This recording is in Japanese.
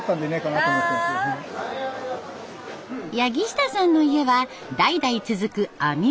下さんの家は代々続く網元。